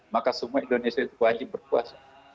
maka semua indonesia itu wajib berpuasa